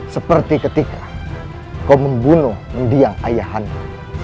seperti ketika kau membunuh mendiang ayah handu